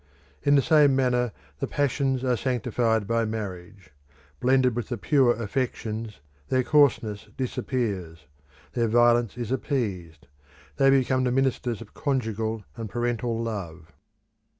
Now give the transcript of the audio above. In the same manner the passions are sanctified by marriage. Blended with the pure affections, their coarseness disappears: their violence is appeased: they become the ministers of conjugal and parental love.